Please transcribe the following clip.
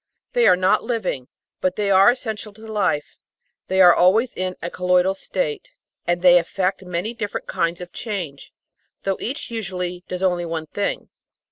They are not living, but they are essential to life ; they are always in a "col loidal" state, and they effect many different kinds of change, though each usually does only one thing.